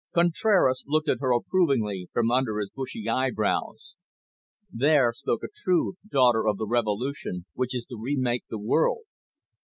Contraras looked at her approvingly from under his bushy eyebrows. "There spoke a true daughter of the Revolution which is to remake the world.